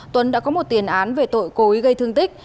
tuấn đã có một tiền án về tội cối gây thương tích